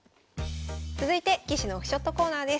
続いて棋士のオフショットコーナーです。